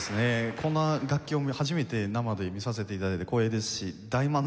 こんな楽器を初めて生で見させて頂いて光栄ですし大満足です。